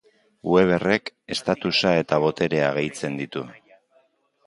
Weberrek estatusa eta boterea gehitzen ditu.